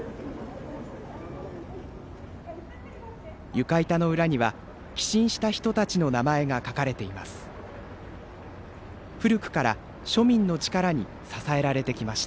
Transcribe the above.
床板の裏には寄進した人たちの名前が書かれています。